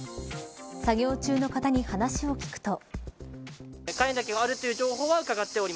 作業中の方に話を聞くと。